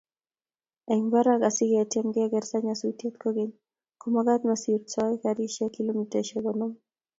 eng barak asigetyem kegerta nyasusiet, kogeny komagaat masirtoi karishek kilomitaishek konom